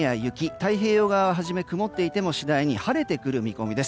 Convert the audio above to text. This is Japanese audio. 太平洋側ははじめ曇っていても次第に晴れてくる見込みです。